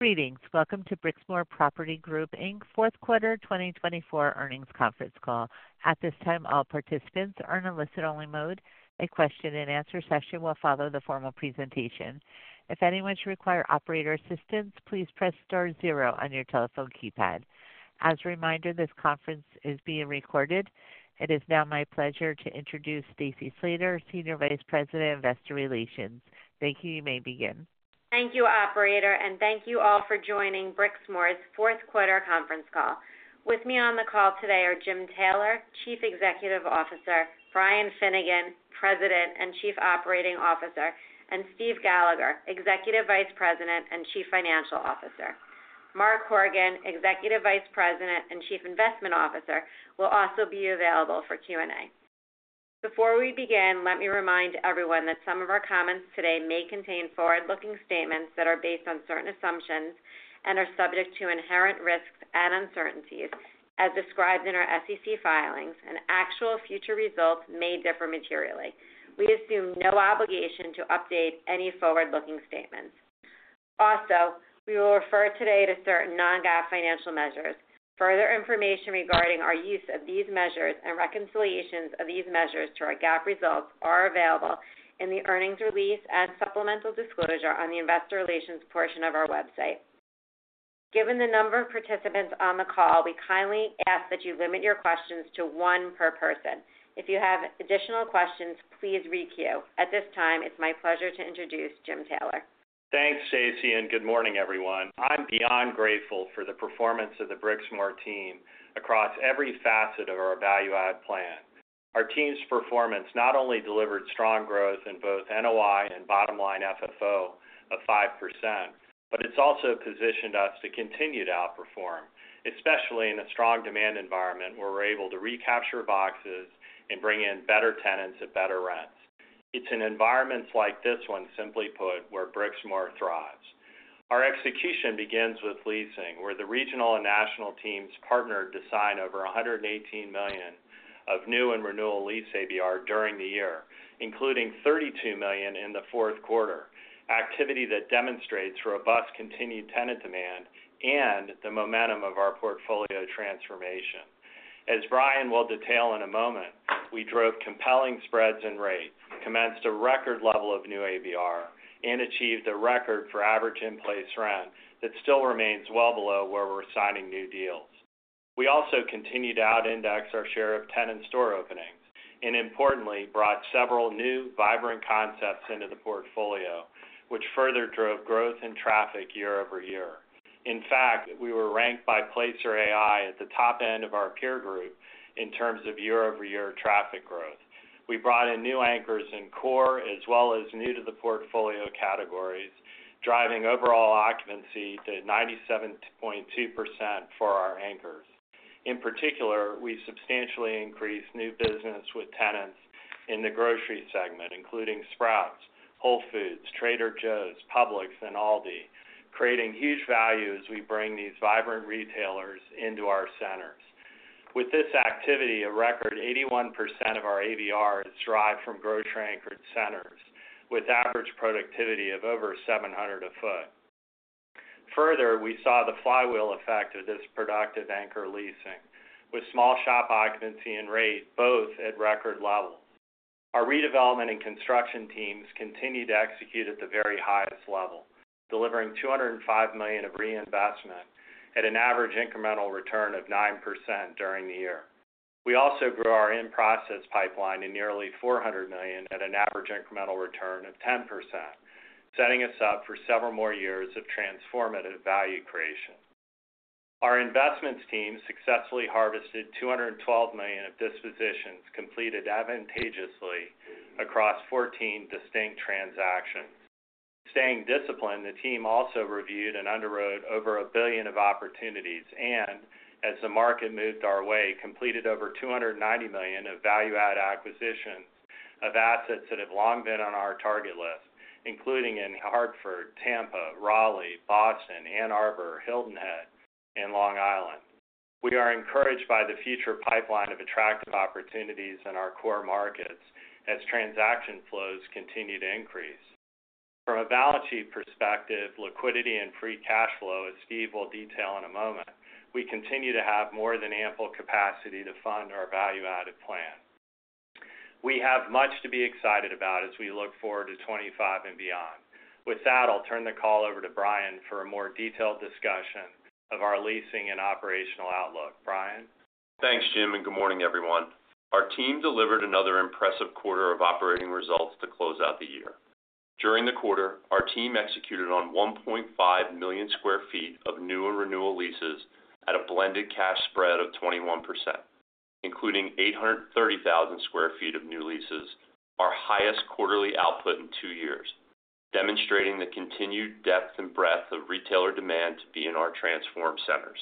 Greetings. Welcome to Brixmor Property Group Inc. Fourth Quarter 2024 Earnings Conference Call. At this time, all participants are in a listen-only mode. A question-and-answer session will follow the formal presentation. If anyone should require operator assistance, please press star zero on your telephone keypad. As a reminder, this conference is being recorded. It is now my pleasure to introduce Stacy Slater, Senior Vice President of Investor Relations. Thank you. You may begin. Thank you, Operator, and thank you all for joining Brixmor's Fourth Quarter Conference Call. With me on the call today are Jim Taylor, Chief Executive Officer, Brian Finnegan, President and Chief Operating Officer, and Steve Gallagher, Executive Vice President and Chief Financial Officer. Mark Horgan, Executive Vice President and Chief Investment Officer, will also be available for Q&A. Before we begin, let me remind everyone that some of our comments today may contain forward-looking statements that are based on certain assumptions and are subject to inherent risks and uncertainties, as described in our SEC filings, and actual future results may differ materially. We assume no obligation to update any forward-looking statements. Also, we will refer today to certain non-GAAP financial measures. Further information regarding our use of these measures and reconciliations of these measures to our GAAP results are available in the earnings release and supplemental disclosure on the Investor Relations portion of our website. Given the number of participants on the call, we kindly ask that you limit your questions to one per person. If you have additional questions, please re-queue. At this time, it's my pleasure to introduce Jim Taylor. Thanks, Stacy, and good morning, everyone. I'm beyond grateful for the performance of the Brixmor team across every facet of our value-add plan. Our team's performance not only delivered strong growth in both NOI and bottom line FFO of 5%, but it's also positioned us to continue to outperform, especially in a strong demand environment where we're able to recapture boxes and bring in better tenants at better rents. It's in environments like this one, simply put, where Brixmor thrives. Our execution begins with leasing, where the regional and national teams partnered to sign over $118 million of new and renewal lease ABR during the year, including $32 million in the fourth quarter, activity that demonstrates robust continued tenant demand and the momentum of our portfolio transformation. As Brian will detail in a moment, we drove compelling spreads and rates, commenced a record level of new ABR, and achieved a record for average in-place rent that still remains well below where we're signing new deals. We also continued to out-index our share of tenant store openings and, importantly, brought several new vibrant concepts into the portfolio, which further drove growth and traffic year over year. In fact, we were ranked by Placer.ai at the top end of our peer group in terms of year-over-year traffic growth. We brought in new anchors in core as well as new-to-the-portfolio categories, driving overall occupancy to 97.2% for our anchors. In particular, we substantially increased new business with tenants in the grocery segment, including Sprouts, Whole Foods, Trader Joe's, Publix, and Aldi, creating huge value as we bring these vibrant retailers into our centers. With this activity, a record 81% of our ABRs derive from grocery-anchored centers, with average productivity of over $700 a foot. Further, we saw the flywheel effect of this productive anchor leasing, with small shop occupancy and rate both at record levels. Our redevelopment and construction teams continue to execute at the very highest level, delivering $205 million of reinvestment at an average incremental return of 9% during the year. We also grew our in-process pipeline to nearly $400 million at an average incremental return of 10%, setting us up for several more years of transformative value creation. Our investments team successfully harvested $212 million of dispositions completed advantageously across 14 distinct transactions. Staying disciplined, the team also reviewed and underwrote over $1 billion of opportunities and, as the market moved our way, completed over $290 million of value-add acquisitions of assets that have long been on our target list, including in Hartford, Tampa, Raleigh, Boston, Ann Arbor, Hilton Head, and Long Island. We are encouraged by the future pipeline of attractive opportunities in our core markets as transaction flows continue to increase. From a balance sheet perspective, liquidity and free cash flow, as Steve will detail in a moment, we continue to have more than ample capacity to fund our value-added plan. We have much to be excited about as we look forward to 2025 and beyond. With that, I'll turn the call over to Brian for a more detailed discussion of our leasing and operational outlook. Brian? Thanks, Jim, and good morning, everyone. Our team delivered another impressive quarter of operating results to close out the year. During the quarter, our team executed on 1.5 million sq ft of new and renewal leases at a blended cash spread of 21%, including 830,000 sq ft of new leases, our highest quarterly output in two years, demonstrating the continued depth and breadth of retailer demand to be in our transformed centers.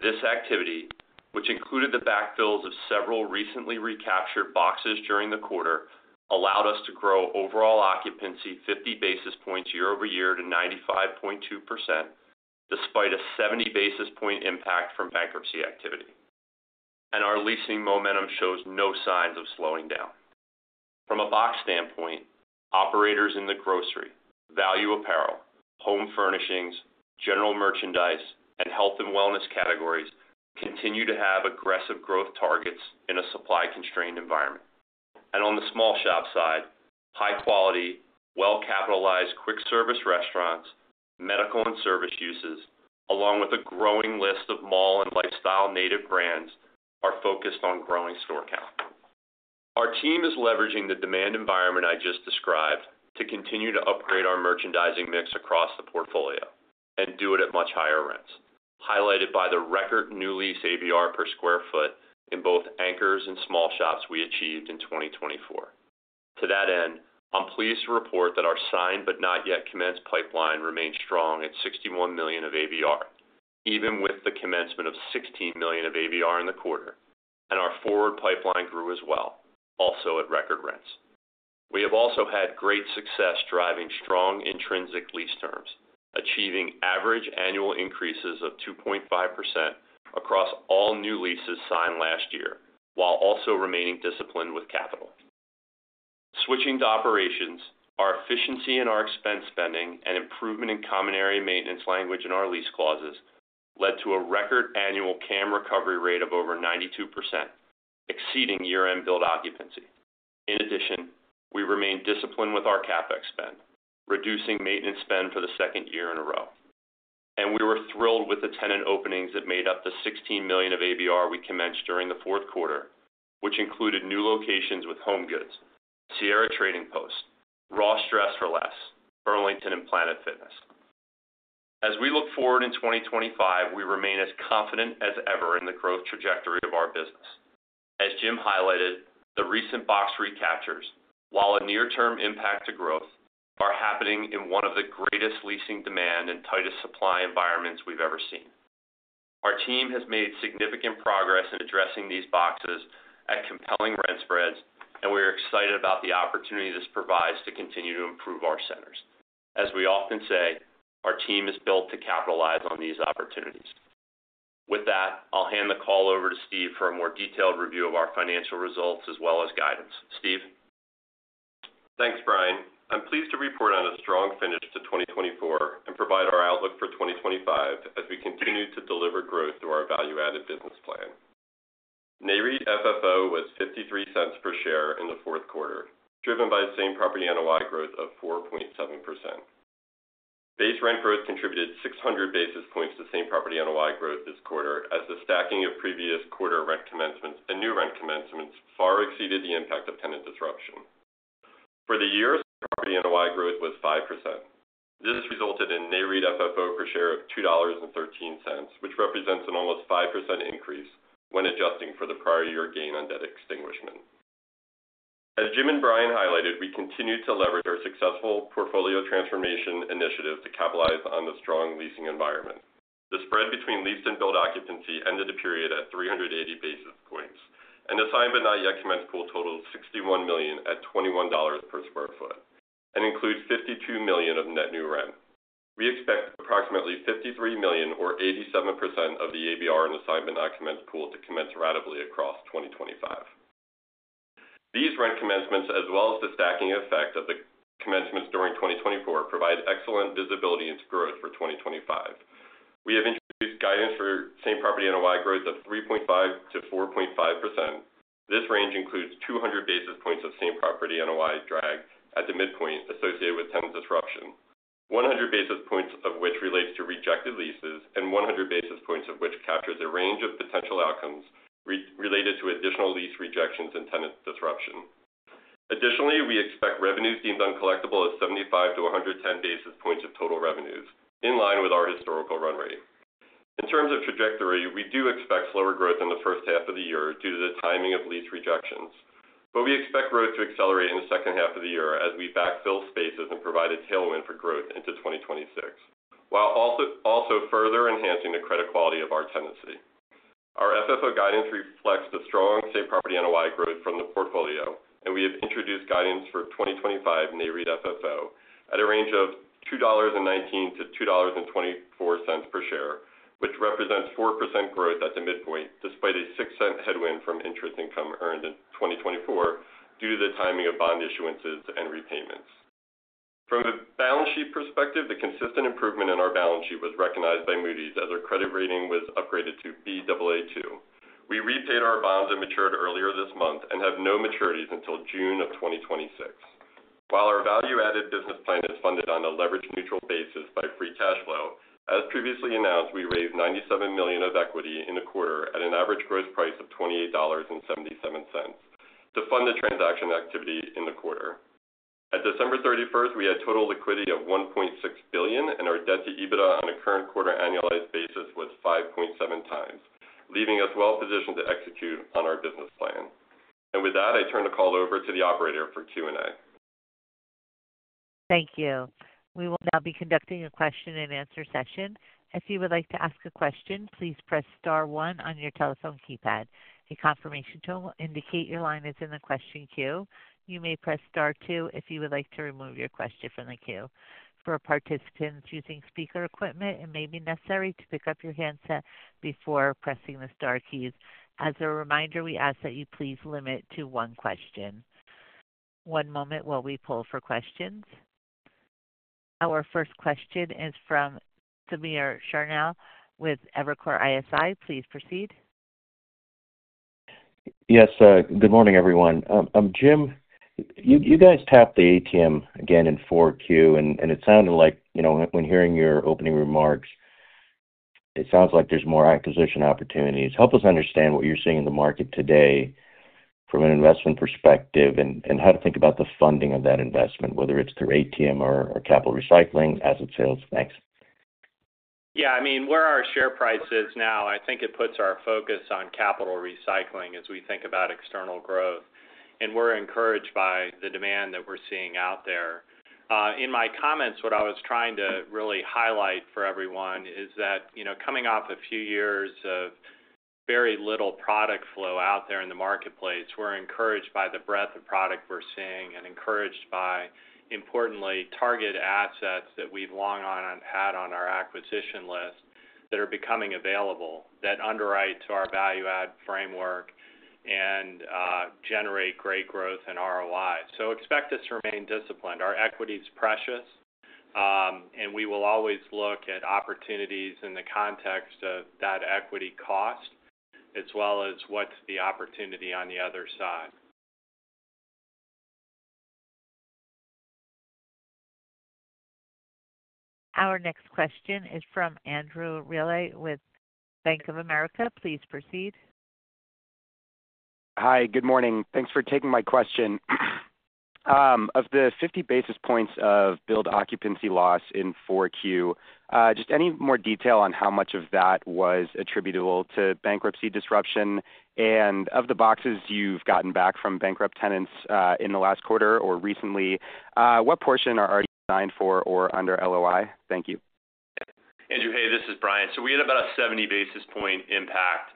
This activity, which included the backfills of several recently recaptured boxes during the quarter, allowed us to grow overall occupancy 50 basis points year over year to 95.2% despite a 70 basis point impact from bankruptcy activity. And our leasing momentum shows no signs of slowing down. From a box standpoint, operators in the grocery, value apparel, home furnishings, general merchandise, and health and wellness categories continue to have aggressive growth targets in a supply-constrained environment. And on the small shop side, high-quality, well-capitalized quick-service restaurants, medical and service uses, along with a growing list of mall and lifestyle native brands, are focused on growing store count. Our team is leveraging the demand environment I just described to continue to upgrade our merchandising mix across the portfolio and do it at much higher rents, highlighted by the record new lease ABR per sq ft in both anchors and small shops we achieved in 2024. To that end, I'm pleased to report that our signed but not yet commenced pipeline remained strong at $61 million of ABR, even with the commencement of $16 million of ABR in the quarter, and our forward pipeline grew as well, also at record rents. We have also had great success driving strong intrinsic lease terms, achieving average annual increases of 2.5% across all new leases signed last year, while also remaining disciplined with capital. Switching to operations, our efficiency in our expense spending and improvement in common area maintenance language in our lease clauses led to a record annual CAM recovery rate of over 92%, exceeding year-end blended occupancy. In addition, we remained disciplined with our CapEx spend, reducing maintenance spend for the second year in a row, and we were thrilled with the tenant openings that made up the $16 million of ABR we commenced during the fourth quarter, which included new locations with HomeGoods, Sierra Trading Post, Ross Dress for Less, Burlington, and Planet Fitness. As we look forward in 2025, we remain as confident as ever in the growth trajectory of our business. As Jim highlighted, the recent box recaptures, while a near-term impact to growth, are happening in one of the greatest leasing demand and tightest supply environments we've ever seen. Our team has made significant progress in addressing these boxes at compelling rent spreads, and we are excited about the opportunity this provides to continue to improve our centers. As we often say, our team is built to capitalize on these opportunities. With that, I'll hand the call over to Steve for a more detailed review of our financial results as well as guidance. Steve? Thanks, Brian. I'm pleased to report on a strong finish to 2024 and provide our outlook for 2025 as we continue to deliver growth through our value-added business plan. Nareit FFO was $0.53 per share in the fourth quarter, driven by the same property NOI growth of 4.7%. Base rent growth contributed 600 basis points to same property NOI growth this quarter, as the stacking of previous quarter rent commencements and new rent commencements far exceeded the impact of tenant disruption. For the year, property NOI growth was 5%. This resulted in Nareit FFO per share of $2.13, which represents an almost 5% increase when adjusting for the prior year gain on debt extinguishment. As Jim and Brian highlighted, we continue to leverage our successful portfolio transformation initiative to capitalize on the strong leasing environment. The spread between leased and billed occupancy ended the period at 380 basis points and signed but not yet commenced pool totaled $61 million at $21 per sq ft and includes $52 million of net new rent. We expect approximately $53 million, or 87%, of the ABR in the signed but not yet commenced pool to commence ratably in 2025. These rent commencements, as well as the stacking effect of the commencements during 2024, provide excellent visibility into growth for 2025. We have introduced guidance for same property NOI growth of 3.5 to 4.5%. This range includes 200 basis points of same property NOI drag at the midpoint associated with tenant disruption, 100 basis points of which relates to rejected leases, and 100 basis points of which captures a range of potential outcomes related to additional lease rejections and tenant disruption. Additionally, we expect revenues deemed uncollectible as 75 to 110 basis points of total revenues, in line with our historical run rate. In terms of trajectory, we do expect slower growth in the first half of the year due to the timing of lease rejections, but we expect growth to accelerate in the second half of the year as we backfill spaces and provide a tailwind for growth into 2026, while also further enhancing the credit quality of our tenancy. Our FFO guidance reflects the strong Same Property NOI growth from the portfolio, and we have introduced guidance for 2025 Nareit FFO at a range of $2.19-$2.24 per share, which represents 4% growth at the midpoint, despite a $0.06 headwind from interest income earned in 2024 due to the timing of bond issuances and repayments. From a balance sheet perspective, the consistent improvement in our balance sheet was recognized by Moody's as our credit rating was upgraded to Baa2. We repaid our bonds that matured earlier this month and have no maturities until June of 2026. While our value-added business plan is funded on a leveraged neutral basis by free cash flow, as previously announced, we raised $97 million of equity in the quarter at an average gross price of $28.77 to fund the transaction activity in the quarter. At December 31st, we had total liquidity of $1.6 billion, and our debt to EBITDA on a current quarter annualized basis was 5.7 times, leaving us well-positioned to execute on our business plan. And with that, I turn the call over to the operator for Q&A. Thank you. We will now be conducting a question-and-answer session. If you would like to ask a question, please press star one on your telephone keypad. A confirmation to indicate your line is in the question queue. You may press star two if you would like to remove your question from the queue. For participants using speaker equipment, it may be necessary to pick up your handset before pressing the star keys. As a reminder, we ask that you please limit to one question. One moment while we pull for questions. Our first question is from Samir Khanal with Evercore ISI. Please proceed. Yes, good morning, everyone. I'm Jim. You guys tapped the ATM again in 4Q, and it sounded like when hearing your opening remarks, it sounds like there's more acquisition opportunities. Help us understand what you're seeing in the market today from an investment perspective and how to think about the funding of that investment, whether it's through ATM or capital recycling, asset sales. Thanks. Yeah, I mean, where our share price is now, I think it puts our focus on capital recycling as we think about external growth. And we're encouraged by the demand that we're seeing out there. In my comments, what I was trying to really highlight for everyone is that coming off a few years of very little product flow out there in the marketplace, we're encouraged by the breadth of product we're seeing and encouraged by, importantly, target assets that we've long had on our acquisition list that are becoming available that underwrite our value-add framework and generate great growth in ROI. So expect us to remain disciplined. Our equity is precious, and we will always look at opportunities in the context of that equity cost as well as what's the opportunity on the other side. Our next question is from Andrew Reale with Bank of America. Please proceed. Hi, good morning. Thanks for taking my question. Of the 50 basis points of blended occupancy loss in 4Q, just any more detail on how much of that was attributable to bankruptcy disruption? And of the boxes you've gotten back from bankrupt tenants in the last quarter or recently, what portion are already signed for or under LOI? Thank you. Andrew, hey, this is Brian. So we had about a 70 basis point impact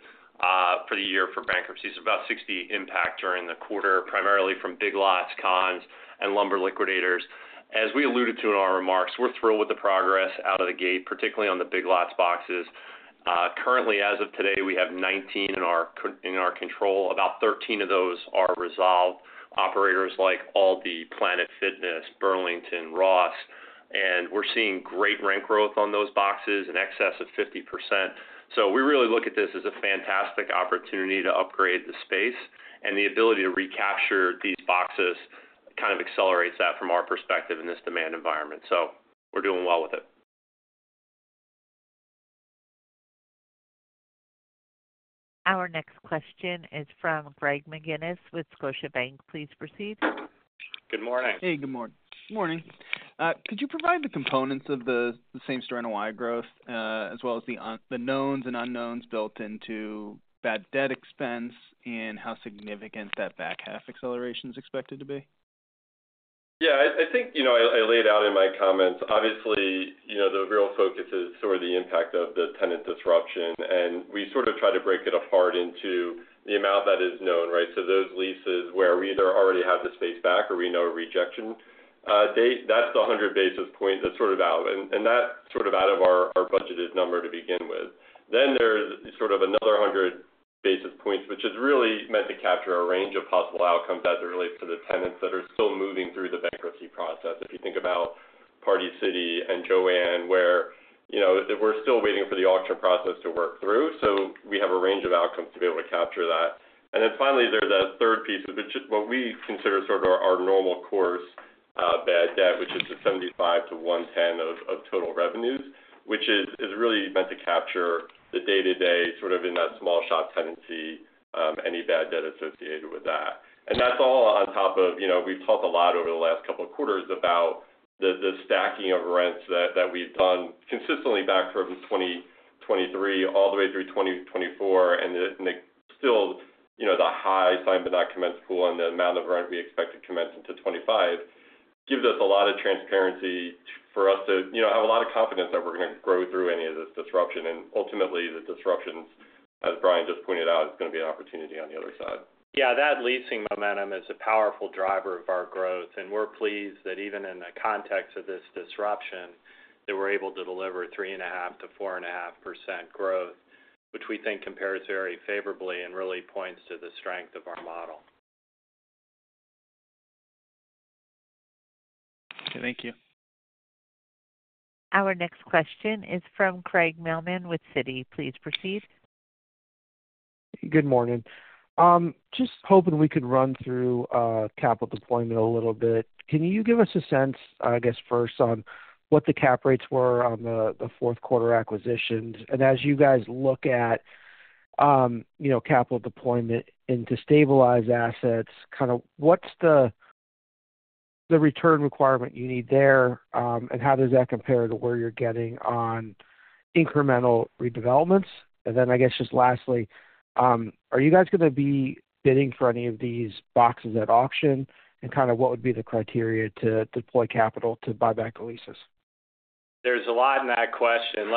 for the year for bankruptcies, about 60 impact during the quarter, primarily from Big Lots, Conn's, and Lumber Liquidators. As we alluded to in our remarks, we're thrilled with the progress out of the gate, particularly on the Big Lots boxes. Currently, as of today, we have 19 in our control. About 13 of those are resolved operators like Aldi, Planet Fitness, Burlington, Ross. And we're seeing great rent growth on those boxes in excess of 50%. So we really look at this as a fantastic opportunity to upgrade the space. And the ability to recapture these boxes kind of accelerates that from our perspective in this demand environment. So we're doing well with it. Our next question is from Greg McGinnis with Scotiabank. Please proceed. Good morning. Hey, good morning. Good morning. Could you provide the components of the same store NOI growth as well as the knowns and unknowns built into bad debt expense and how significant that back half acceleration is expected to be? Yeah, I think I laid out in my comments, obviously, the real focus is sort of the impact of the tenant disruption. And we sort of try to break it apart into the amount that is known, right? So those leases where we either already have the space back or we know a rejection date, that's the 100 basis point that's sort of out. And that's sort of out of our budgeted number to begin with. Then there's sort of another 100 basis points, which is really meant to capture a range of possible outcomes as it relates to the tenants that are still moving through the bankruptcy process. If you think about Party City and Joann, where we're still waiting for the auction process to work through. So we have a range of outcomes to be able to capture that. And then finally, there's a third piece of what we consider sort of our normal course bad debt, which is the 75-110 of total revenues, which is really meant to capture the day-to-day sort of in that small shop tenancy, any bad debt associated with that. And that's all on top of we've talked a lot over the last couple of quarters about the stacking of rents that we've done consistently back from 2023 all the way through 2024. And still, the high signed but not commenced pool and the amount of rent we expect to commence into 2025 gives us a lot of transparency for us to have a lot of confidence that we're going to grow through any of this disruption. And ultimately, the disruptions, as Brian just pointed out, is going to be an opportunity on the other side. Yeah, that leasing momentum is a powerful driver of our growth. And we're pleased that even in the context of this disruption, that we're able to deliver 3.5%-4.5% growth, which we think compares very favorably and really points to the strength of our model. Okay, thank you. Our next question is from Craig Mailman with Citi. Please proceed. Good morning. Just hoping we could run through capital deployment a little bit. Can you give us a sense, I guess, first on what the cap rates were on the fourth quarter acquisitions? And as you guys look at capital deployment into stabilized assets, kind of what's the return requirement you need there? And how does that compare to where you're getting on incremental redevelopments? And then I guess just lastly, are you guys going to be bidding for any of these boxes at auction? And kind of what would be the criteria to deploy capital to buy back the leases? There's a lot in that question.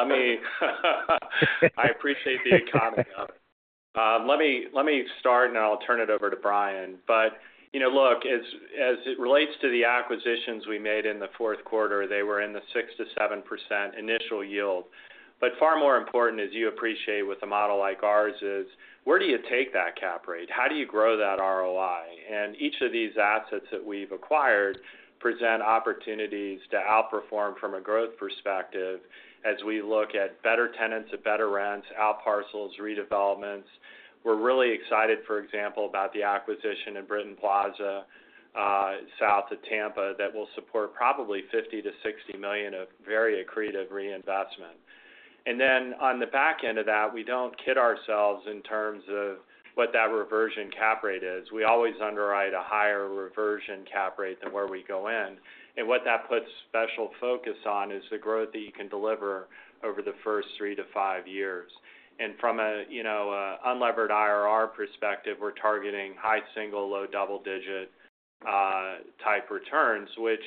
I appreciate the economy of it. Let me start, and I'll turn it over to Brian. But look, as it relates to the acquisitions we made in the fourth quarter, they were in the 6%-7% initial yield. But far more important, as you appreciate with a model like ours, is where do you take that cap rate? How do you grow that ROI? And each of these assets that we've acquired present opportunities to outperform from a growth perspective as we look at better tenants at better rents, outparcels, redevelopments. We're really excited, for example, about the acquisition in Britton Plaza south of Tampa that will support probably $50-$60 million of very accretive reinvestment. And then on the back end of that, we don't kid ourselves in terms of what that reversion cap rate is. We always underwrite a higher reversion cap rate than where we go in. And what that puts special focus on is the growth that you can deliver over the first three to five years. And from an unlevered IRR perspective, we're targeting high single, low double-digit type returns, which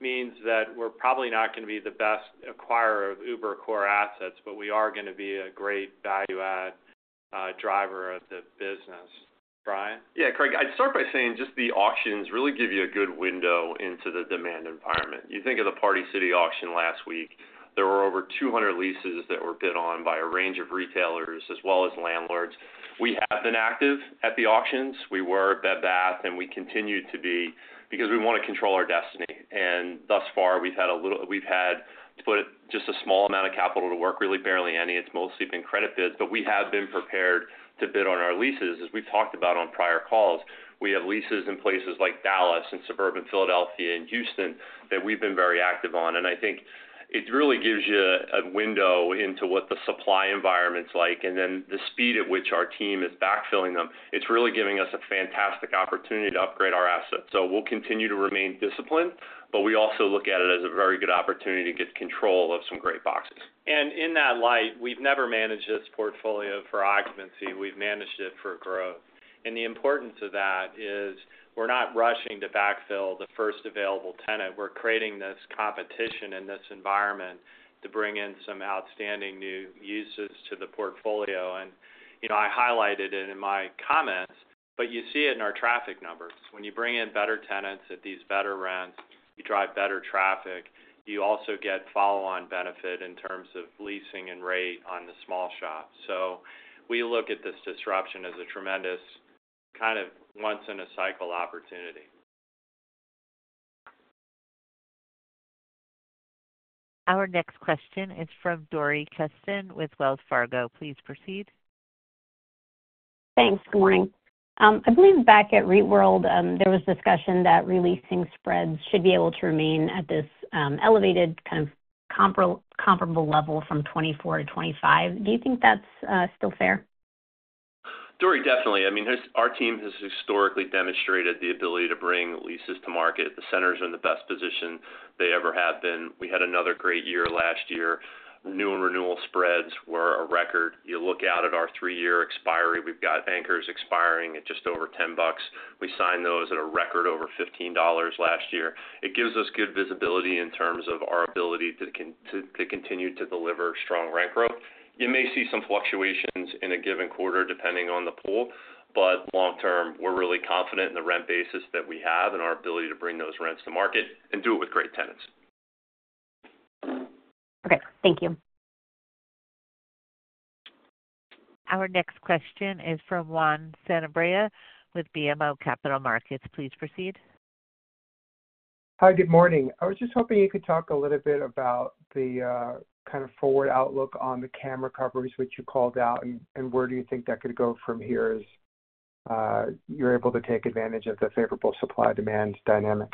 means that we're probably not going to be the best acquirer of uber core assets, but we are going to be a great value-add driver of the business. Brian? Yeah, Craig, I'd start by saying just the auctions really give you a good window into the demand environment. You think of the Party City auction last week, there were over 200 leases that were bid on by a range of retailers as well as landlords. We have been active at the auctions. We were at Bed Bath, and we continue to be because we want to control our destiny. And thus far, we've had to put just a small amount of capital to work, really barely any. It's mostly been credit bids. But we have been prepared to bid on our leases, as we've talked about on prior calls. We have leases in places like Dallas and suburban Philadelphia and Houston that we've been very active on. And I think it really gives you a window into what the supply environment's like. Then the speed at which our team is backfilling them, it's really giving us a fantastic opportunity to upgrade our assets. We'll continue to remain disciplined, but we also look at it as a very good opportunity to get control of some great boxes. And in that light, we've never managed this portfolio for occupancy. We've managed it for growth. And the importance of that is we're not rushing to backfill the first available tenant. We're creating this competition in this environment to bring in some outstanding new uses to the portfolio. And I highlighted it in my comments, but you see it in our traffic numbers. When you bring in better tenants at these better rents, you drive better traffic. You also get follow-on benefit in terms of leasing and rate on the small shop. So we look at this disruption as a tremendous kind of once-in-a-cycle opportunity. Our next question is from Dory Keston with Wells Fargo. Please proceed. Thanks. Good morning. I believe back at REITWorld, there was discussion that releasing spreads should be able to remain at this elevated kind of comparable level from 2024 to 2025. Do you think that's still fair? Dory, definitely. I mean, our team has historically demonstrated the ability to bring leases to market. The centers are in the best position they ever have been. We had another great year last year. New and renewal spreads were a record. You look out at our three-year expiry, we've got anchors expiring at just over $10. We signed those at a record over $15 last year. It gives us good visibility in terms of our ability to continue to deliver strong rent growth. You may see some fluctuations in a given quarter depending on the pool, but long-term, we're really confident in the rent basis that we have and our ability to bring those rents to market and do it with great tenants. Okay, thank you. Our next question is from Juan Sanabrea with BMO Capital Markets. Please proceed. Hi, good morning. I was just hoping you could talk a little bit about the kind of forward outlook on the CAM coverage, which you called out, and where do you think that could go from here as you're able to take advantage of the favorable supply-demand dynamic?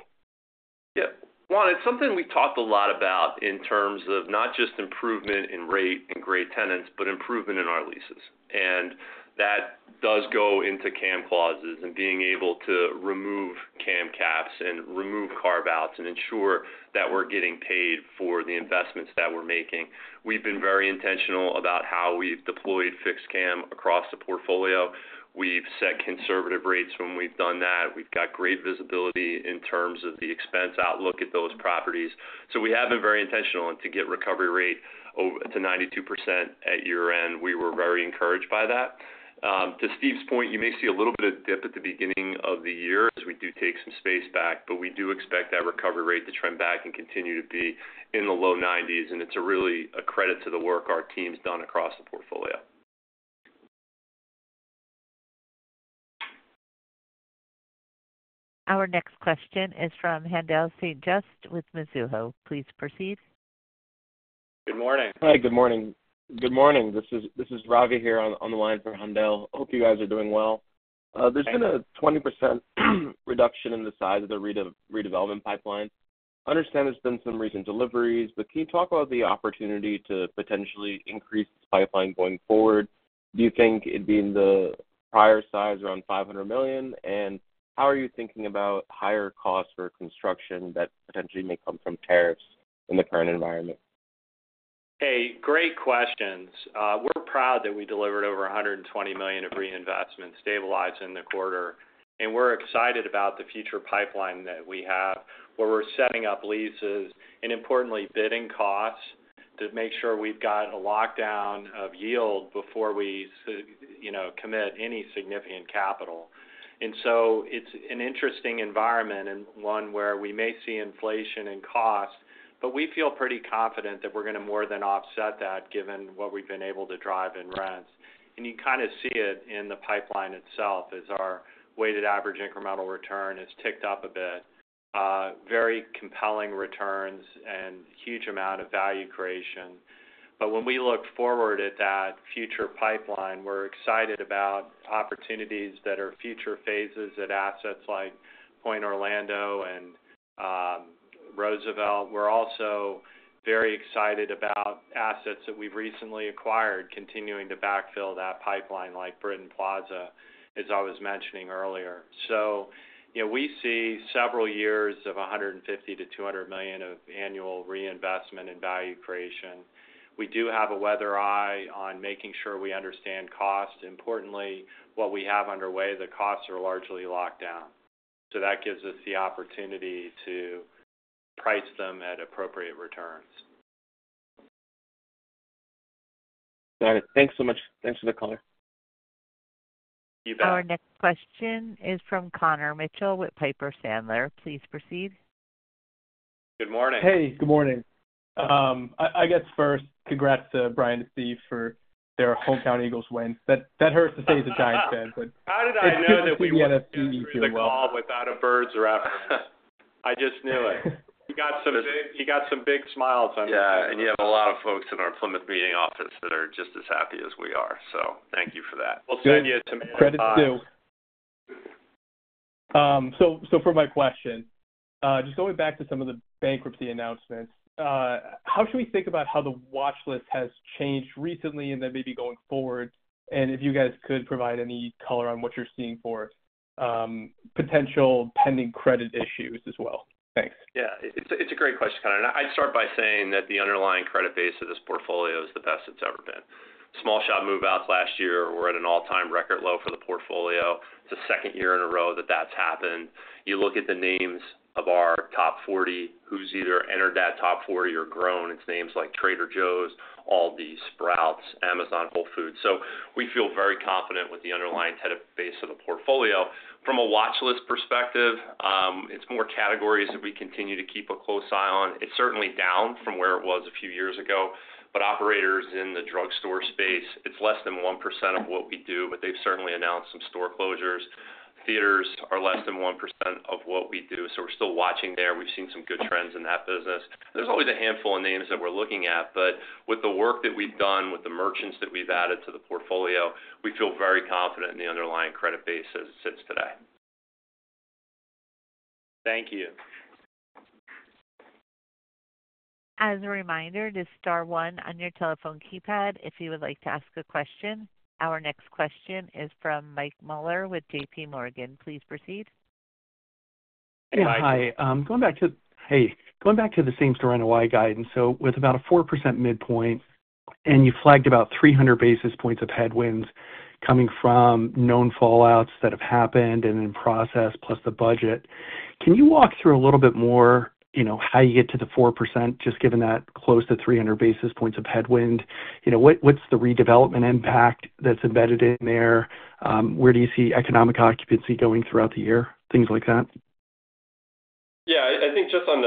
Yeah. Juan, it's something we've talked a lot about in terms of not just improvement in rate and great tenants, but improvement in our leases, and that does go into cam clauses and being able to remove cam caps and remove carve-outs and ensure that we're getting paid for the investments that we're making. We've been very intentional about how we've deployed fixed cam across the portfolio. We've set conservative rates when we've done that. We've got great visibility in terms of the expense outlook at those properties, so we have been very intentional to get recovery rate to 92% at year-end. We were very encouraged by that. To Steve's point, you may see a little bit of dip at the beginning of the year as we do take some space back, but we do expect that recovery rate to trend back and continue to be in the low 90s. It's really a credit to the work our team's done across the portfolio. Our next question is from Haendel St. Juste with Mizuho. Please proceed. Good morning. Hi, good morning. Good morning. This is Ravi here on the line for Haendel. Hope you guys are doing well. There's been a 20% reduction in the size of the redevelopment pipeline. I understand there's been some recent deliveries, but can you talk about the opportunity to potentially increase this pipeline going forward? Do you think it'd be in the prior size around $500 million? And how are you thinking about higher costs for construction that potentially may come from tariffs in the current environment? Hey, great questions. We're proud that we delivered over $120 million of reinvestment stabilized in the quarter, and we're excited about the future pipeline that we have where we're setting up leases and, importantly, bidding costs to make sure we've got a lockdown of yield before we commit any significant capital, and so it's an interesting environment and one where we may see inflation and cost, but we feel pretty confident that we're going to more than offset that given what we've been able to drive in rents, and you kind of see it in the pipeline itself as our weighted average incremental return has ticked up a bit. Very compelling returns and huge amount of value creation, but when we look forward at that future pipeline, we're excited about opportunities that are future phases at assets like Pointe Orlando and Roosevelt. We're also very excited about assets that we've recently acquired continuing to backfill that pipeline like Britton Plaza, as I was mentioning earlier. So we see several years of $150 million-$200 million of annual reinvestment and value creation. We do have a weather eye on making sure we understand cost. Importantly, what we have underway, the costs are largely locked down. So that gives us the opportunity to price them at appropriate returns. Got it. Thanks so much. Thanks for the call. You bet. Our next question is from Connor Mitchell with Piper Sandler. Please proceed. Good morning. Hey, good morning. I guess first, congrats to Brian and Steve for their Hometown Eagles win. That hurts to say as a Giants fan, but. How did I know that we want to see you do well? We're all without a bird's rapport. I just knew it. You got some big smiles on your face. Yeah, and you have a lot of folks in our Plymouth Meeting office that are just as happy as we are. So thank you for that. We'll send you a tomorrow. Credit's due. So for my question, just going back to some of the bankruptcy announcements, how should we think about how the watchlist has changed recently and then maybe going forward? And if you guys could provide any color on what you're seeing for potential pending credit issues as well. Thanks. Yeah, it's a great question, Connor. I'd start by saying that the underlying credit base of this portfolio is the best it's ever been. Small shop move-outs last year were at an all-time record low for the portfolio. It's the second year in a row that that's happened. You look at the names of our top 40, who's either entered that top 40 or grown. It's names like Trader Joe's, Aldi, Sprouts, Amazon, Whole Foods. So we feel very confident with the underlying credit base of the portfolio. From a watchlist perspective, it's more categories that we continue to keep a close eye on. It's certainly down from where it was a few years ago. But operators in the drugstore space, it's less than 1% of what we do, but they've certainly announced some store closures. Theaters are less than 1% of what we do. So we're still watching there. We've seen some good trends in that business. There's always a handful of names that we're looking at. But with the work that we've done with the merchants that we've added to the portfolio, we feel very confident in the underlying credit base as it sits today. Thank you. As a reminder, to star one on your telephone keypad if you would like to ask a question. Our next question is from Mike Mueller with JPMorgan. Please proceed. Hi. Hey, going back to the same-store, and FY guidance, so with about a 4% midpoint, and you flagged about 300 basis points of headwinds coming from known fallouts that have happened and in process plus the budget. Can you walk through a little bit more how you get to the 4%, just given that close to 300 basis points of headwind? What's the redevelopment impact that's embedded in there? Where do you see economic occupancy going throughout the year? Things like that. Yeah, I think just on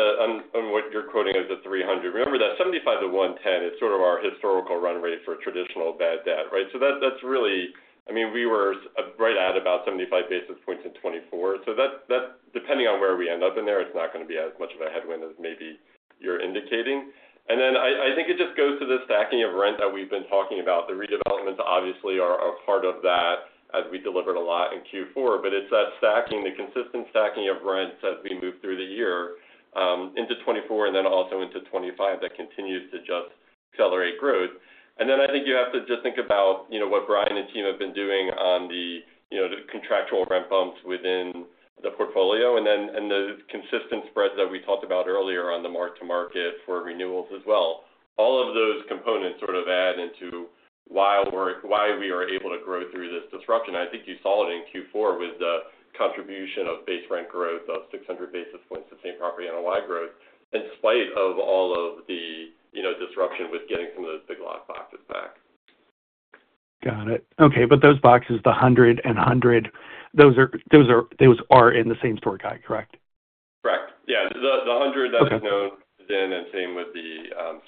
what you're quoting as the 300, remember that 75-110, it's sort of our historical run rate for traditional bad debt, right? So that's really, I mean, we were right at about 75 basis points in 2024. So depending on where we end up in there, it's not going to be as much of a headwind as maybe you're indicating. And then I think it just goes to the stacking of rent that we've been talking about. The redevelopments, obviously, are part of that as we delivered a lot in Q4, but it's that stacking, the consistent stacking of rents as we move through the year into 2024 and then also into 2025 that continues to just accelerate growth. And then I think you have to just think about what Brian and team have been doing on the contractual rent bumps within the portfolio and the consistent spreads that we talked about earlier on the mark-to-market for renewals as well. All of those components sort of add into why we are able to grow through this disruption. I think you saw it in Q4 with the contribution of base rent growth of 600 basis points to same property on a Y growth in spite of all of the disruption with getting some of those big lock boxes back. Got it. Okay. But those boxes, the 100 and 100, those are in the same store guide, correct? Correct. Yeah. The 100 that's known is in, and same with the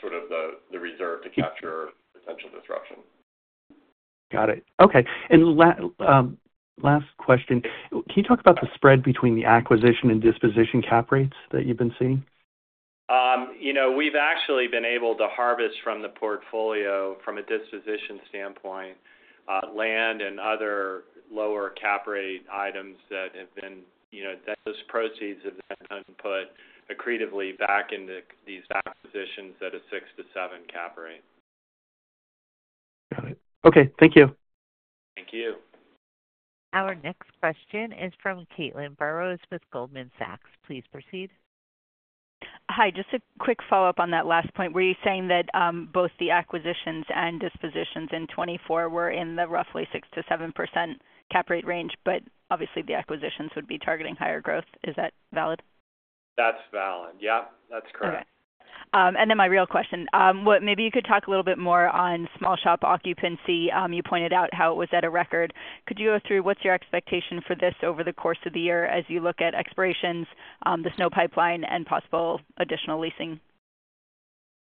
sort of the reserve to capture potential disruption. Got it. Okay. And last question. Can you talk about the spread between the acquisition and disposition cap rates that you've been seeing? We've actually been able to harvest from the portfolio from a disposition standpoint, land and other lower cap rate items that have been those proceeds have been put accretively back into these acquisitions at a six to seven cap rate. Got it. Okay. Thank you. Thank you. Our next question is from Caitlin Burrows with Goldman Sachs. Please proceed. Hi. Just a quick follow-up on that last point. Were you saying that both the acquisitions and dispositions in 2024 were in the roughly 6%-7% cap rate range, but obviously the acquisitions would be targeting higher growth? Is that valid? That's valid. Yep, that's correct. Okay. And then my real question, maybe you could talk a little bit more on small shop occupancy. You pointed out how it was at a record. Could you go through what's your expectation for this over the course of the year as you look at expirations, the new pipeline, and possible additional leasing?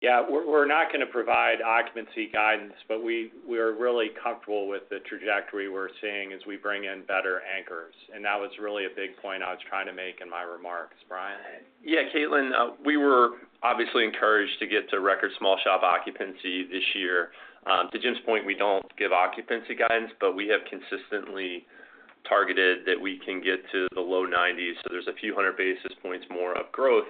Yeah. We're not going to provide occupancy guidance, but we are really comfortable with the trajectory we're seeing as we bring in better anchors. And that was really a big point I was trying to make in my remarks, Brian. Yeah, Caitlin, we were obviously encouraged to get to record small shop occupancy this year. To Jim's point, we don't give occupancy guidance, but we have consistently targeted that we can get to the low 90s. So there's a few hundred basis points more of growth.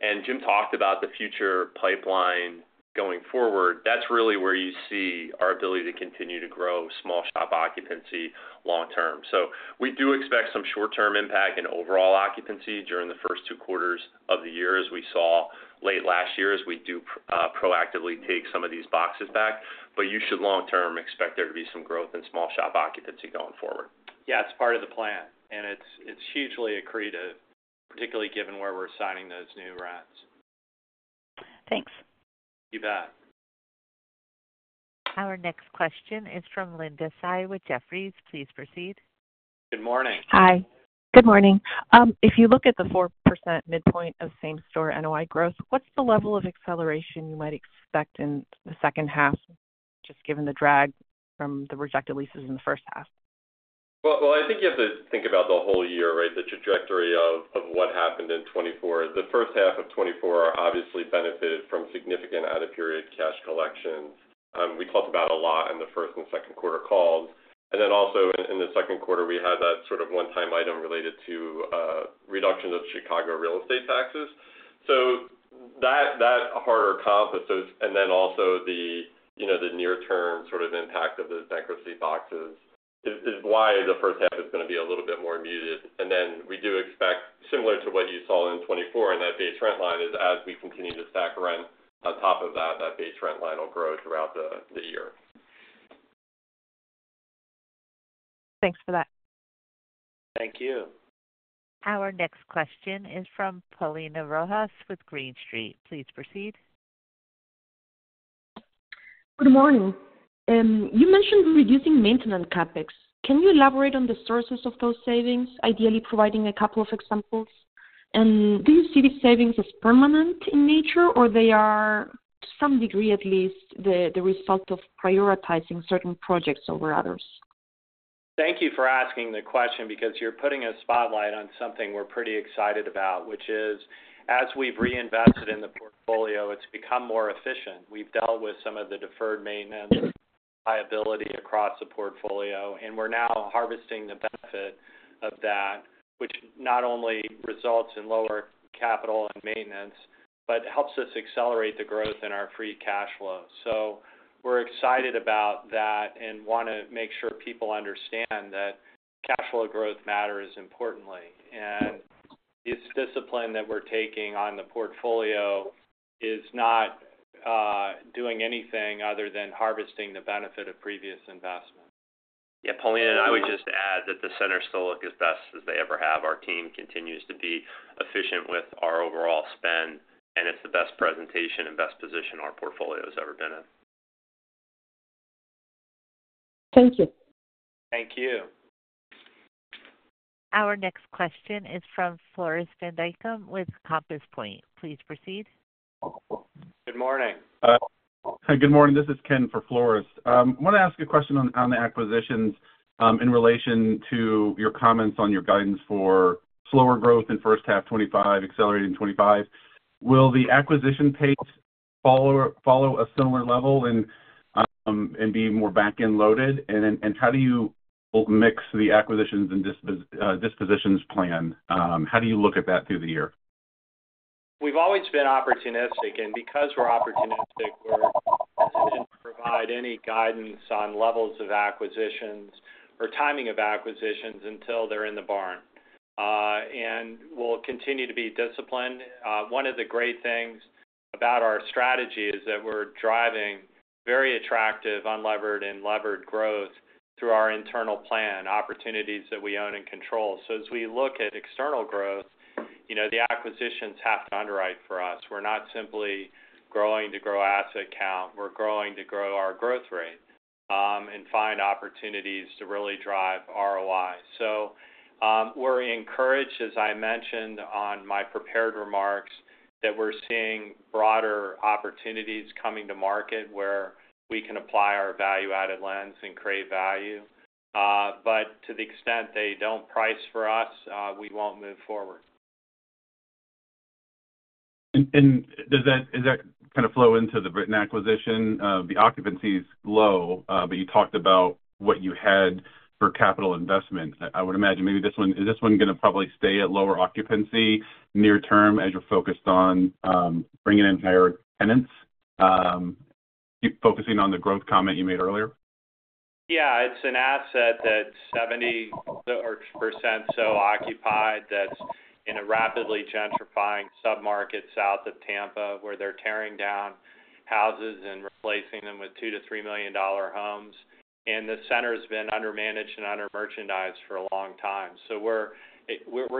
And Jim talked about the future pipeline going forward. That's really where you see our ability to continue to grow small shop occupancy long-term. So we do expect some short-term impact in overall occupancy during the first two quarters of the year as we saw late last year as we do proactively take some of these boxes back. But you should long-term expect there to be some growth in small shop occupancy going forward. Yeah, it's part of the plan. And it's hugely accretive, particularly given where we're signing those new rents. Thanks. You bet. Our next question is from Linda Tsai with Jefferies. Please proceed. Good morning. Hi. Good morning. If you look at the 4% midpoint of same store NOI growth, what's the level of acceleration you might expect in the second half just given the drag from the rejected leases in the first half? I think you have to think about the whole year, right, the trajectory of what happened in 2024. The first half of 2024 obviously benefited from significant out-of-period cash collections. We talked about a lot in the first and second quarter calls. Then also in the second quarter, we had that sort of one-time item related to reductions of Chicago real estate taxes. That harder comps and then also the near-term sort of impact of the bankruptcy boxes is why the first half is going to be a little bit more muted. Then we do expect, similar to what you saw in 2024, and that base rent line is as we continue to stack rent on top of that, that base rent line will grow throughout the year. Thanks for that. Thank you. Our next question is from Paulina Rojas with Green Street. Please proceed. Good morning. You mentioned reducing maintenance CapEx. Can you elaborate on the sources of those savings, ideally providing a couple of examples? And do you see these savings as permanent in nature, or they are, to some degree at least, the result of prioritizing certain projects over others? Thank you for asking the question because you're putting a spotlight on something we're pretty excited about, which is, as we've reinvested in the portfolio, it's become more efficient. We've dealt with some of the deferred maintenance liability across the portfolio, and we're now harvesting the benefit of that, which not only results in lower capital and maintenance, but helps us accelerate the growth in our free cash flow, so we're excited about that and want to make sure people understand that cash flow growth matters importantly, and this discipline that we're taking on the portfolio is not doing anything other than harvesting the benefit of previous investment. Yeah, Paulina, I would just add that the center still looks as best as they ever have. Our team continues to be efficient with our overall spend, and it's the best presentation and best position our portfolio has ever been in. Thank you. Thank you. Our next question is from Floris van Dijkum with Compass Point. Please proceed. Good morning. Hi, good morning. This is Ken for Floris. I want to ask a question on the acquisitions in relation to your comments on your guidance for slower growth in first half 2025, accelerating 2025. Will the acquisition pace follow a similar level and be more back-end loaded? And how do you mix the acquisitions and dispositions plan? How do you look at that through the year? We've always been opportunistic, and because we're opportunistic, we're hesitant to provide any guidance on levels of acquisitions or timing of acquisitions until they're in the barn, and we'll continue to be disciplined. One of the great things about our strategy is that we're driving very attractive, unlevered, and levered growth through our internal plan, opportunities that we own and control, so as we look at external growth, the acquisitions have to underwrite for us. We're not simply growing to grow asset count. We're growing to grow our growth rate and find opportunities to really drive ROI, so we're encouraged, as I mentioned on my prepared remarks, that we're seeing broader opportunities coming to market where we can apply our value-added lens and create value, but to the extent they don't price for us, we won't move forward. Does that kind of flow into the recent acquisition? The occupancy is low, but you talked about what you had for capital investment. I would imagine maybe this one going to probably stay at lower occupancy near-term as you're focused on bringing in higher tenants, focusing on the growth comment you made earlier? Yeah. It's an asset that's 70% occupied that's in a rapidly gentrifying submarket south of Tampa where they're tearing down houses and replacing them with $2 million-$3 million homes, and the center has been undermanaged and under merchandised for a long time. So we're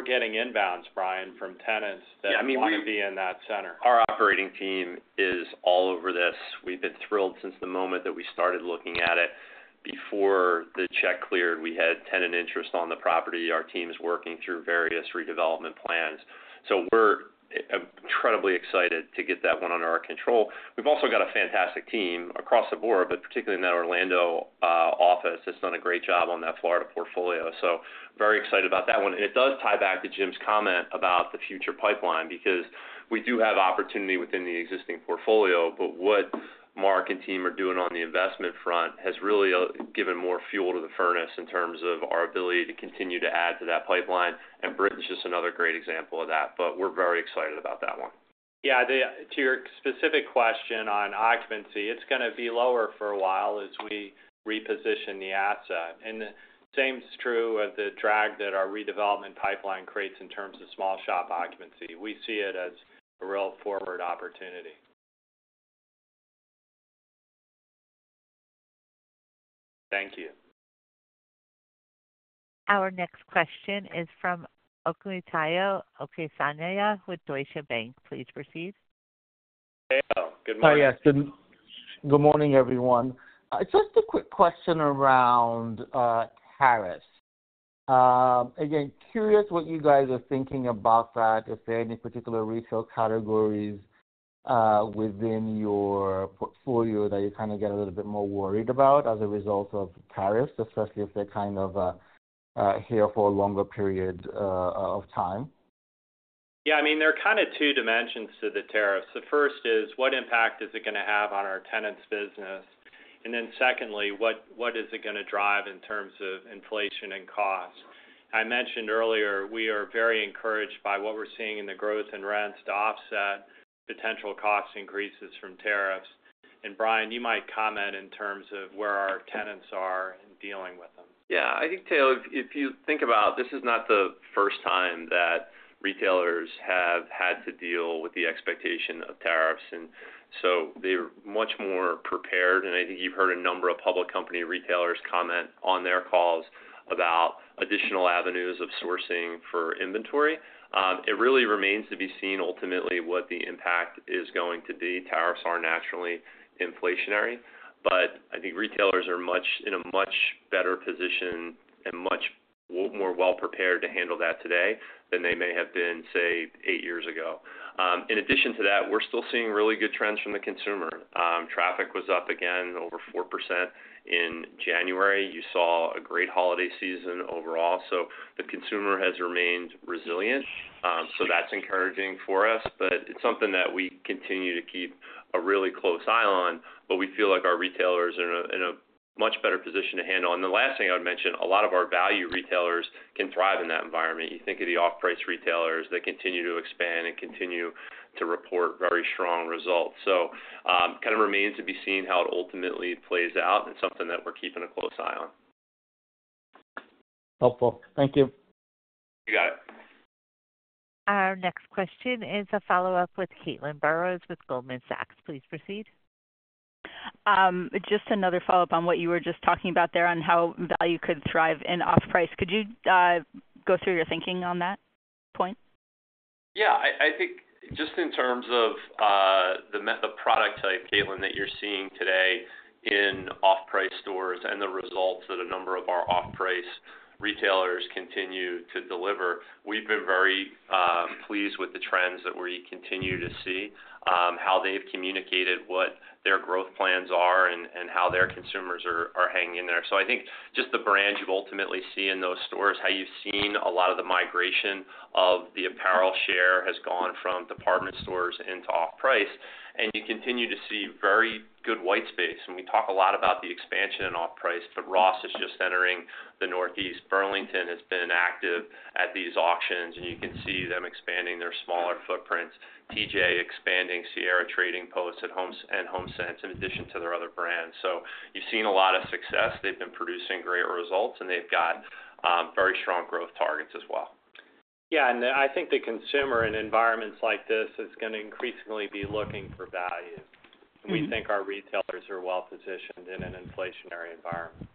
getting inbounds, Brian, from tenants that want to be in that center. Our operating team is all over this. We've been thrilled since the moment that we started looking at it. Before the check cleared, we had tenant interest on the property. Our team is working through various redevelopment plans. So we're incredibly excited to get that one under our control. We've also got a fantastic team across the board, but particularly in that Orlando office, that's done a great job on that Florida portfolio. So very excited about that one. And it does tie back to Jim's comment about the future pipeline because we do have opportunity within the existing portfolio, but what Mark and team are doing on the investment front has really given more fuel to the furnace in terms of our ability to continue to add to that pipeline. And Britton is just another great example of that, but we're very excited about that one. Yeah. To your specific question on occupancy, it's going to be lower for a while as we reposition the asset, and same is true of the drag that our redevelopment pipeline creates in terms of small shop occupancy. We see it as a real forward opportunity. Thank you. Our next question is from Omotayo Okusanya with Deutsche Bank. Please proceed. Good morning. Hi, yes. Good morning, everyone. Just a quick question around tariffs. Again, curious what you guys are thinking about that, if there are any particular retail categories within your portfolio that you kind of get a little bit more worried about as a result of tariffs, especially if they're kind of here for a longer period of time? Yeah. I mean, there are kind of two dimensions to the tariffs. The first is what impact is it going to have on our tenants' business? And then secondly, what is it going to drive in terms of inflation and cost? I mentioned earlier, we are very encouraged by what we're seeing in the growth in rents to offset potential cost increases from tariffs. And Brian, you might comment in terms of where our tenants are and dealing with them. Yeah. I think, Taylor, if you think about, this is not the first time that retailers have had to deal with the expectation of tariffs. And so they're much more prepared. And I think you've heard a number of public company retailers comment on their calls about additional avenues of sourcing for inventory. It really remains to be seen ultimately what the impact is going to be. Tariffs are naturally inflationary. But I think retailers are in a much better position and much more well-prepared to handle that today than they may have been, say, eight years ago. In addition to that, we're still seeing really good trends from the consumer. Traffic was up again over 4% in January. You saw a great holiday season overall. So the consumer has remained resilient. So that's encouraging for us. But it's something that we continue to keep a really close eye on. But we feel like our retailers are in a much better position to handle. And the last thing I would mention, a lot of our value retailers can thrive in that environment. You think of the off-price retailers that continue to expand and continue to report very strong results. So it kind of remains to be seen how it ultimately plays out. It's something that we're keeping a close eye on. Helpful. Thank you. You got it. Our next question is a follow-up with Caitlin Burrows with Goldman Sachs. Please proceed. Just another follow-up on what you were just talking about there on how value could thrive in off-price. Could you go through your thinking on that point? Yeah. I think just in terms of the product type, Caitlin, that you're seeing today in off-price stores and the results that a number of our off-price retailers continue to deliver, we've been very pleased with the trends that we continue to see, how they've communicated what their growth plans are and how their consumers are hanging in there, so I think just the brand you ultimately see in those stores, how you've seen a lot of the migration of the apparel share has gone from department stores into off-price, and you continue to see very good white space, and we talk a lot about the expansion in off-price, but Ross is just entering the Northeast. Burlington has been active at these auctions, and you can see them expanding their smaller footprints. TJ expanding Sierra Trading Post and Homesense in addition to their other brands. So you've seen a lot of success. They've been producing great results, and they've got very strong growth targets as well. Yeah, and I think the consumer in environments like this is going to increasingly be looking for value, and we think our retailers are well-positioned in an inflationary environment.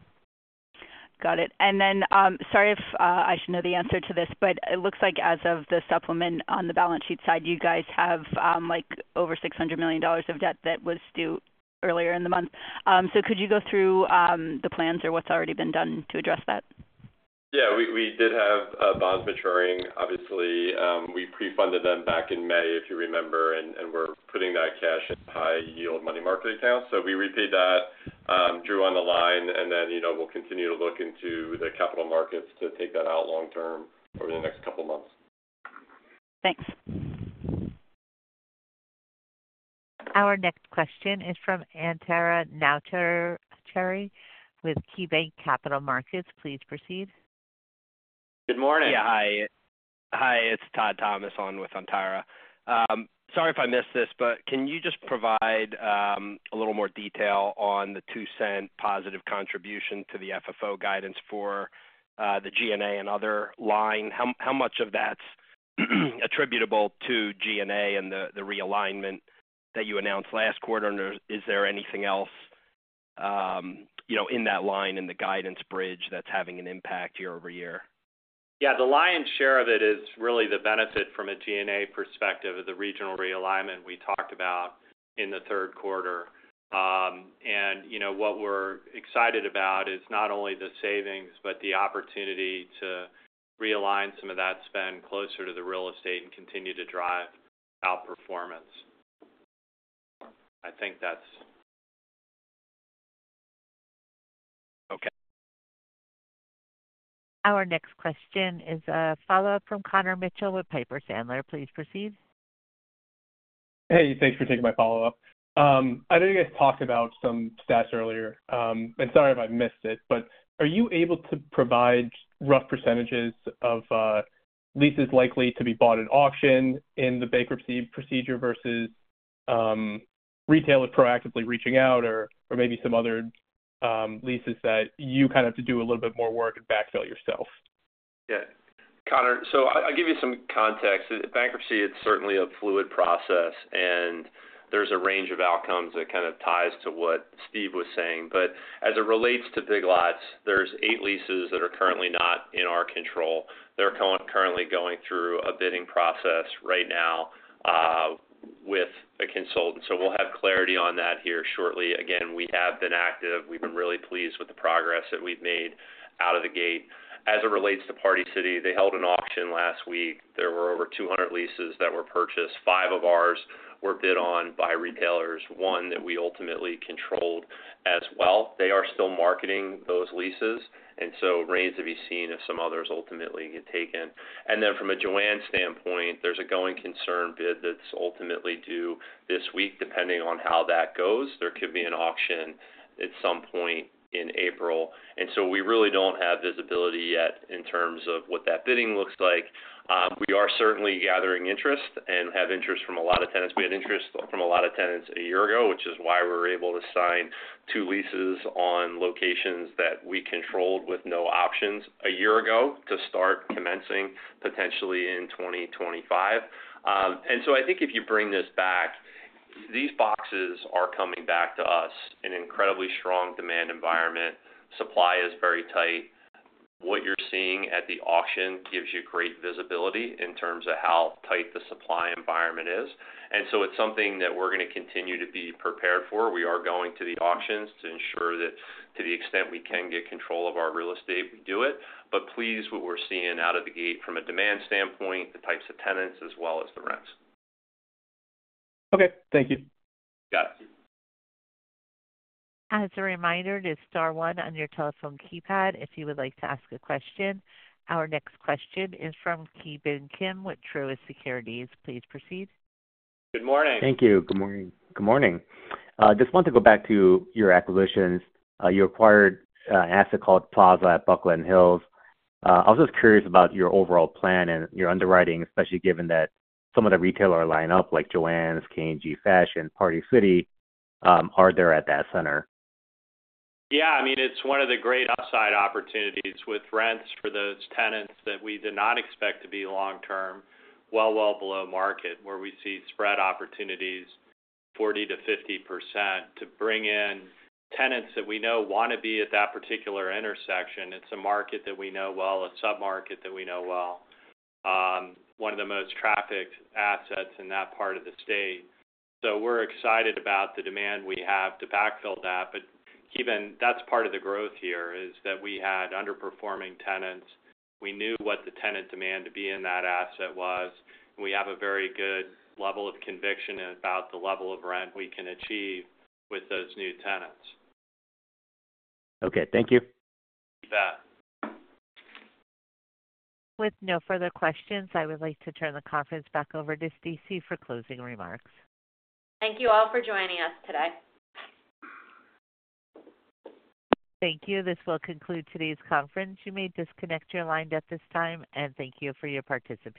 Got it. And then sorry if I should know the answer to this, but it looks like as of the supplement on the balance sheet side, you guys have over $600 million of debt that was due earlier in the month. So could you go through the plans or what's already been done to address that? Yeah. We did have bonds maturing. Obviously, we pre-funded them back in May, if you remember, and we're putting that cash, high-yield money market accounts. So we repaid that, drew on the line, and then we'll continue to look into the capital markets to take that out long-term over the next couple of months. Thanks. Our next question is from Todd Thomas with KeyBanc Capital Markets. Please proceed. Good morning. Yeah. Hi. Hi. It's Todd Thomas on with KeyBanc. Sorry if I missed this, but can you just provide a little more detail on the $0.02 positive contribution to the FFO guidance for the G&A and other line? How much of that's attributable to G&A and the realignment that you announced last quarter? And is there anything else in that line in the guidance bridge that's having an impact year over year? Yeah. The lion's share of it is really the benefit from a G&A perspective of the regional realignment we talked about in the third quarter. And what we're excited about is not only the savings, but the opportunity to realign some of that spend closer to the real estate and continue to drive outperformance. I think that's. Okay. Our next question is a follow-up from Connor Mitchell with Piper Sandler. Please proceed. Hey. Thanks for taking my follow-up. I know you guys talked about some stats earlier. And sorry if I missed it, but are you able to provide rough percentages of leases likely to be bought at auction in the bankruptcy procedure versus retailers proactively reaching out or maybe some other leases that you kind of have to do a little bit more work and backfill yourself? Yeah. Connor, so I'll give you some context. Bankruptcy, it's certainly a fluid process, and there's a range of outcomes that kind of ties to what Steve was saying. But as it relates to Big Lots, there's eight leases that are currently not in our control. They're currently going through a bidding process right now with a consultant. So we'll have clarity on that here shortly. Again, we have been active. We've been really pleased with the progress that we've made out of the gate. As it relates to Party City, they held an auction last week. There were over 200 leases that were purchased. five of ours were bid on by retailers, one that we ultimately controlled as well. They are still marketing those leases. And so it remains to be seen if some others ultimately get taken. And then from a Joann standpoint, there's a going concern bid that's ultimately due this week. Depending on how that goes, there could be an auction at some point in April. And so we really don't have visibility yet in terms of what that bidding looks like. We are certainly gathering interest and have interest from a lot of tenants. We had interest from a lot of tenants a year ago, which is why we were able to sign two leases on locations that we controlled with no options a year ago to start commencing potentially in 2025. And so I think if you bring this back, these boxes are coming back to us in an incredibly strong demand environment. Supply is very tight. What you're seeing at the auction gives you great visibility in terms of how tight the supply environment is. And so it's something that we're going to continue to be prepared for. We are going to the auctions to ensure that to the extent we can get control of our real estate, we do it. But please, what we're seeing out of the gate from a demand standpoint, the types of tenants as well as the rents. Okay. Thank you. Got it. As a reminder, this is Star One on your telephone keypad if you would like to ask a question. Our next question is from Ki Bin Kim with Troy Securities. Please proceed. Good morning. Thank you. Good morning. Good morning. Just wanted to go back to your acquisitions. You acquired an asset called Plaza at Buckland Hills. I was just curious about your overall plan and your underwriting, especially given that some of the retailer lineup like JOANN's, K&G Fashion, Party City, are there at that center? Yeah. I mean, it's one of the great upside opportunities with rents for those tenants that we did not expect to be long-term, well, well below market, where we see spread opportunities 40%-50% to bring in tenants that we know want to be at that particular intersection. It's a market that we know well, a submarket that we know well, one of the most trafficked assets in that part of the state. So we're excited about the demand we have to backfill that. But Ki Bin Kim, that's part of the growth here is that we had underperforming tenants. We knew what the tenant demand to be in that asset was. We have a very good level of conviction about the level of rent we can achieve with those new tenants. Okay. Thank you. You bet. With no further questions, I would like to turn the conference back over to Stacy for closing remarks. Thank you all for joining us today. Thank you. This will conclude today's conference. You may disconnect your line at this time, and thank you for your participation.